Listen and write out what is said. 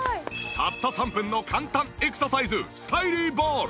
たった３分の簡単エクササイズスタイリーボール